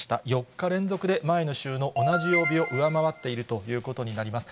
４日連続で前の週の同じ曜日を上回っているということになります。